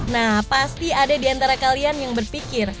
nah pasti ada di antara kalian yang berpikir